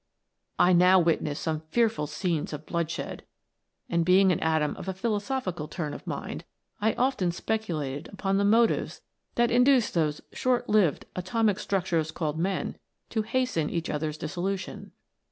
"I now witnessed some fearful scenes of bloodshed, * Charcoal. f Steel. THE LIFE OF AN ATOM. 63 and being an atom of a philosophical turn of mind, I often speculated upon the motives that induced those short lived atomic structures called men to hasten each other's dissolution.